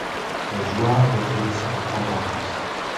Elle joua avec eux dès sa plus tendre enfance.